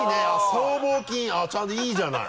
僧帽筋ちゃんといいじゃない。